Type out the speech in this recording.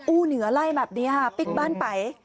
เหนือไล่แบบนี้ค่ะปิ๊กบ้านไป